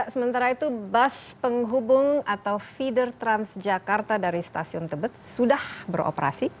sementara itu bus penghubung atau feeder transjakarta dari stasiun tebet sudah beroperasi